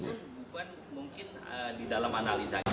dan mungkin di dalam analisa